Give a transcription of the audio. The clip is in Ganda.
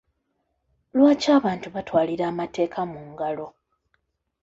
Lwaki abantu batwalira amateeka mu ngalo?